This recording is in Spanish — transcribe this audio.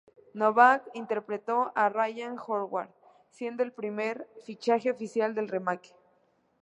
Novak interpretó a Ryan Howard, siendo el primer fichaje oficial del remake.